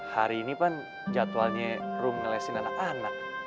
hari ini kan jadwalnya ru ngelesin anak anak